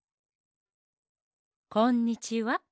こんにちは。